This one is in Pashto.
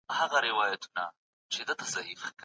دولت به په اوبو لګولو کي پانګونه وکړي.